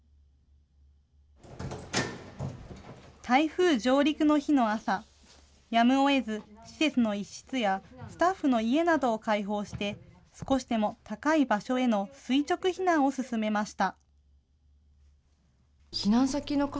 台風上陸の日の朝、やむをえず、施設の一室やスタッフの家などを開放して、少しでも高い場所への垂直避難を勧めました。